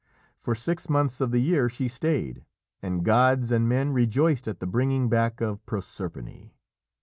For six months of the year she stayed, and gods and men rejoiced at the bringing back of Proserpine.